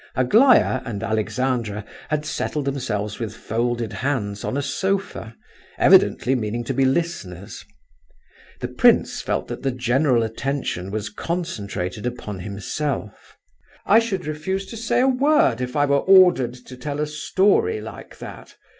Aglaya and Alexandra had settled themselves with folded hands on a sofa, evidently meaning to be listeners. The prince felt that the general attention was concentrated upon himself. "I should refuse to say a word if I were ordered to tell a story like that!"